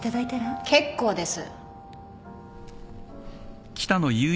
結構です。